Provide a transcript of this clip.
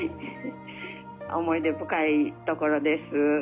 思い出深いところです。